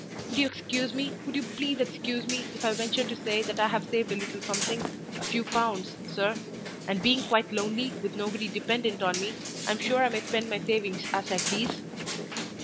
Would you excuse me would you please excuse me, if I venture to say that I have saved a little something, a few pounds, sir; and being quite lonely, with nobody dependent on me, I'm sure I may spend my savings as I please?"